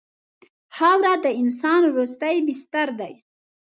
خاوره د انسان وروستی بستر دی.